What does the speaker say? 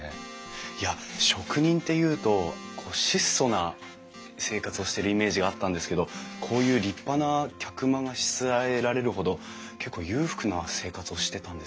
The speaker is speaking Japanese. いや職人っていうと質素な生活をしてるイメージがあったんですけどこういう立派な客間がしつらえられるほど結構裕福な生活をしてたんですかね？